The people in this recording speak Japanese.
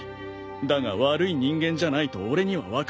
だが悪い人間じゃないと俺には分かる。